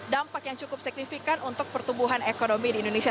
dampak yang cukup signifikan untuk pertumbuhan ekonomi di indonesia